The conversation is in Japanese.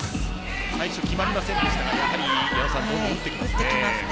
最初決まりませんでしたが矢野さんどんどん打ってきますね。